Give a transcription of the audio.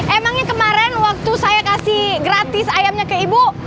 emangnya kemarin waktu saya kasih gratis ayamnya ke ibu